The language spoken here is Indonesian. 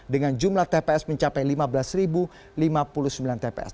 dengan jumlah tps mencapai lima belas lima puluh sembilan tps